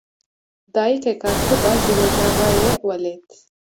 Dayîkeke kurd a ji rojavayê welêt.